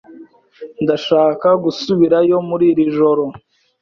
Ndashaka gusubirayo muri iri joro.